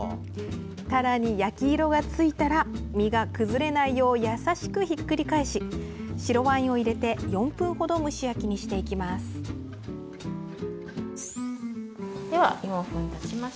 たらに焼き色が付いたら身が崩れないよう優しく、ひっくり返し白ワインを入れて４分ほど蒸し焼きにしていきます。